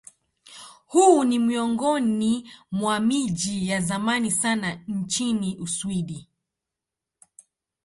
Huu ni miongoni mwa miji ya zamani sana nchini Uswidi.